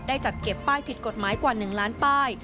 จัดเก็บป้ายผิดกฎหมายกว่า๑ล้านป้าย